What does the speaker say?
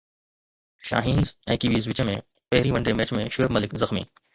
Shaheens ۽ Kiwis وچ ۾ پهرئين one day match ۾ Shoaib Malik زخمي